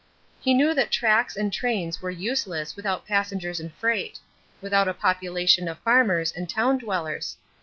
He knew that tracks and trains were useless without passengers and freight; without a population of farmers and town dwellers.